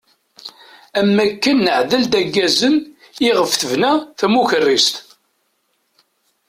Am akken neɛdel-d aggazen iɣef tebna tamukerrist.